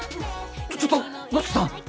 ちょっと五色さん！